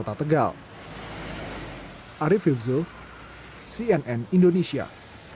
pemimpin kota tegal